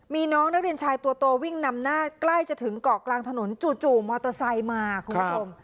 มีน้องนักเรียนชายตัวโตวิ่งนำหน้าใกล้จะถึงเกาะกลางถนนจู่มอเตอร์ไซค์มาคุณผู้ชม